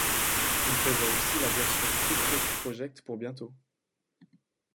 On prévoit aussi la version Secret Project pour bientôt.